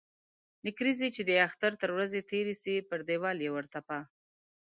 نکريزي چې د اختر تر ورځي تيري سي ، پر ديوال يې و ترپه.